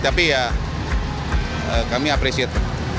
tapi ya kami apresiat